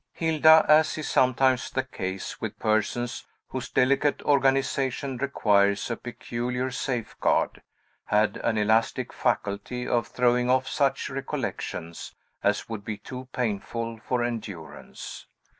Hilda, as is sometimes the case with persons whose delicate organization requires a peculiar safeguard, had an elastic faculty of throwing off such recollections as would be too painful for endurance.